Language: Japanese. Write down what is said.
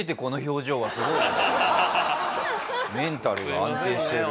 メンタルが安定してる。